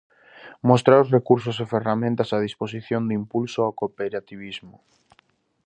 Mostrar os recursos e ferramentas a disposición do impulso ao cooperativismo.